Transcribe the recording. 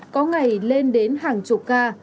có ngày lên đến hàng chục ca